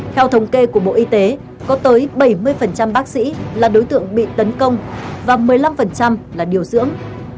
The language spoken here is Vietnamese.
theo thống kê của bộ y tế có tới bảy mươi bác sĩ là đối tượng bị tấn công và một mươi năm là điều dưỡng